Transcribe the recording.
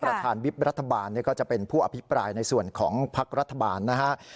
ประธานวิบรัฐบาลก็จะเป็นผู้อภิปรายในส่วนของภักดิ์รัฐบาลนะครับ